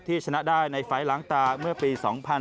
ชนะได้ในไฟล์ล้างตาเมื่อปี๒๕๕๙